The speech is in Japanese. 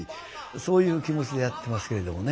そういう気持ちでやってますけれどもね。